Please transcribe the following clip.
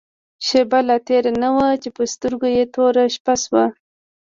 شېبه لا تېره نه وه چې په سترګو يې توره شپه شوه.